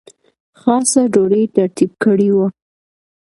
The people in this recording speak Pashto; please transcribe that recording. خاصه ډوډۍ ترتیب کړې وه.